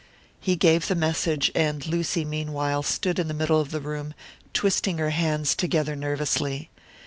He gave the message: and Lucy, meanwhile, stood in the middle of the room, twisting her hands together nervously.